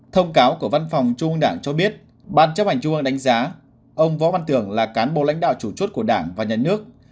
thông cáo của văn phòng trung ương đảng cho biết ban chấp hành trung ương đánh giá ông võ văn tưởng là cán bộ lãnh đạo chủ chốt của đảng và nhà nước